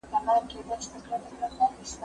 زه له سهاره سينه سپين کوم!.